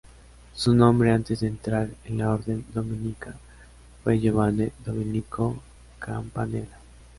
Su nombre antes de entrar en la Orden Dominica fue Giovanni Domenico Campanella.